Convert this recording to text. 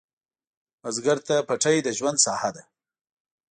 بزګر ته پټی د ژوند ساحه ده